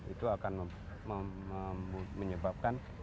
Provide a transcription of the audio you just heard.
itu akan menyebabkan